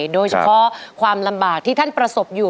โดยเฉพาะความลำบากที่ท่านประสบอยู่